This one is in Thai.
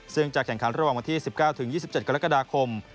ซึ่งจะแข่งขันระหว่างวันที่๑๙๒๗กรกฎาคม